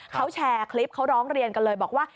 เขาแชร์คลิปเขาร้องเรียนกันเลยบอกว่า